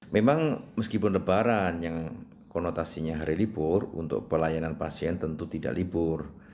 memang meskipun lebaran yang konotasinya hari libur untuk pelayanan pasien tentu tidak libur